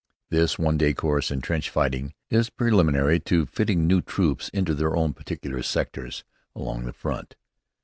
This one day course in trench fighting is preliminary to fitting new troops into their own particular sectors along the front.